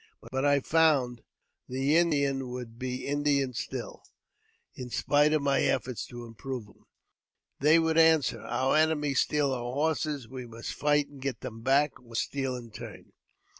But I found the Indian would be Indian still, in ; spite of my efforts to improve him. ! They would answer, " Our enemies steal our horses ; we ! must fight and get them back again, or steal in turn.